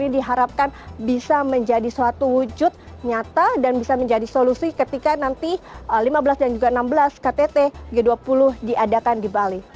ini diharapkan bisa menjadi suatu wujud nyata dan bisa menjadi solusi ketika nanti lima belas dan juga enam belas ktt g dua puluh diadakan di bali